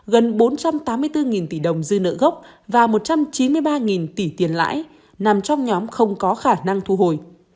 gần bốn trăm tám mươi bốn tỷ đồng dư nợ gốc và một trăm chín mươi ba tỷ tiền lãi nằm trong nhóm không có khả năng thu hồi